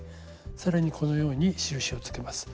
更にこのように印をつけます。